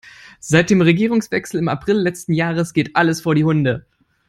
Seit dem Regierungswechsel im April letzten Jahres geht alles vor die Hunde.